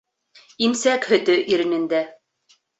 Имсәк һөтө иренендә.